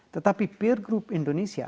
tetapi peer group indonesia